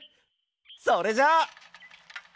それじゃ！